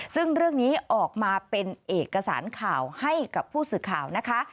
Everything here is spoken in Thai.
ซึ่งเรื่องนี้ออกมาเป็นเอกสารข่าวให้กับผู้สื่อข่าวนะคะ